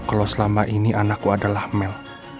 kalau selama ini anakku adalah mel